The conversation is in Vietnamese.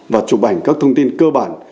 và chụp ảnh các thông tin cơ bản